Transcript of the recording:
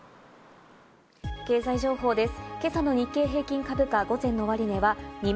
経済情報です。